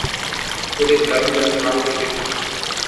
ওদের দামি দামি মাল থাকে ট্রাকে।